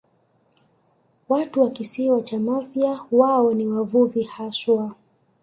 Watu wa Kisiwa cha Mafia wao ni wavuvi haswa